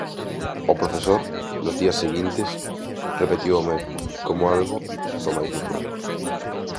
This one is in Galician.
O profesor, nos días seguintes, repetiu o mesmo, como algo do máis natural.